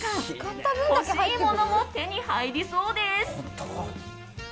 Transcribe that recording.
欲しいものも手に入りそうです。